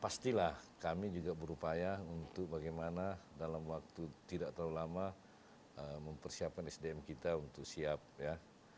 pastilah kami juga berupaya untuk bagaimana dalam waktu tidak terlalu lama mempersiapkan sdm kita untuk siap ya